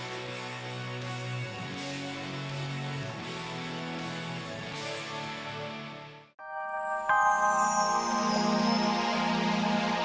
kamu paham gimana sih